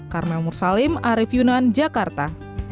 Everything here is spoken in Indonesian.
karmel mursalim arief yunan jakarta